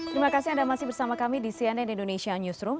terima kasih anda masih bersama kami di cnn indonesia newsroom